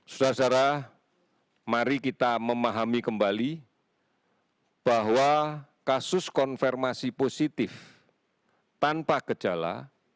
saudara saudara mari kita memahami kembali bahwa kasus konfirmasi positif tanpa gejala